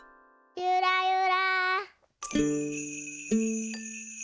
ゆらゆら。